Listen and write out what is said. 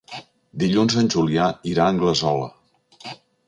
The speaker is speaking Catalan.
Dilluns en Julià irà a Anglesola.